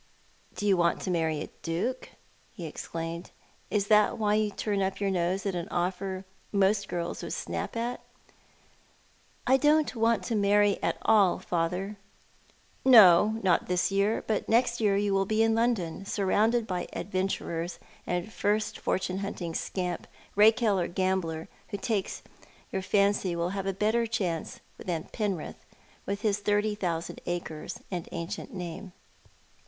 " Do you want to marry a duke ?" he exclaimed. " Is that why you turn up your nose at an offer most girls would snap at?" " I don't want to marry at all, father." " No, not this year ; but next year you will be in London, surrounded by adventurers, and the first fortune hunting scamp — rake hell or gambler — who takes your fancy will have a better chance than Penrith, with his thirty thousand acres and ancient name."